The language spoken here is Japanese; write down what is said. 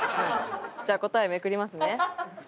じゃあ答えめくりますね。